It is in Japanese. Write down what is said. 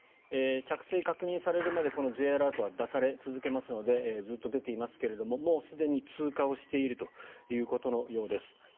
着水が確認されるまでこのＪアラートは出され続けますのでずっと出ていますがもうすでに通過をしているということのようです。